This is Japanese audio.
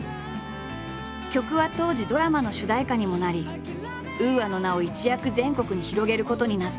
曲は当時ドラマの主題歌にもなりＵＡの名を一躍全国に広げることになった。